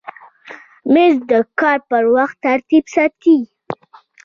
مېز د کار پر وخت ترتیب ساتي.